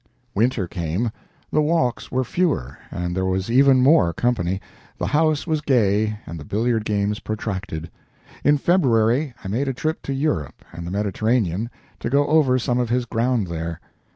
Winter came. The walks were fewer, and there was even more company; the house was gay and the billiard games protracted. In February I made a trip to Europe and the Mediterranean, to go over some of his ground there.